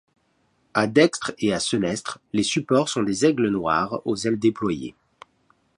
A dextre et à senestre les supports sont des aigles noires aux ailes déployées.